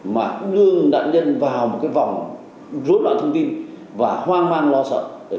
mà đưa nạn nhân vào một vòng rối loạn thông tin và hoang mang lo sợ